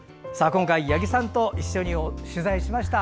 今回、八木さんと一緒に取材しました。